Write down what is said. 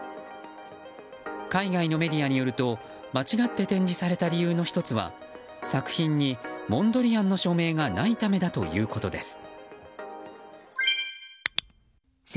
海外のメディアによると間違って展示された理由の１つは作品にモンドリアンの署名がないためだということです。